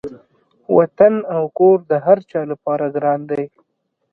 وطن او کور د هر چا لپاره ګران دی.